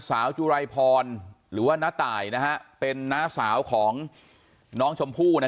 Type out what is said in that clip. สาวจุรัยพรหรือว่าน้าต่ายนะฮะเป็นน้าสาวของน้องชมพู่นะ